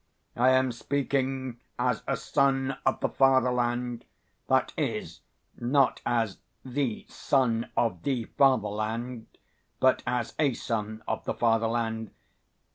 I am speaking as a son of the fatherland, that is, not as the Son of the Fatherland, but as a son of the fatherland.